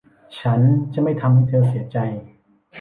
ฉันจะไม่ทำให้เธอเสียใจ